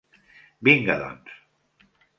Vinga, doncs.